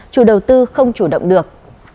chủ đầu tư không chủ động được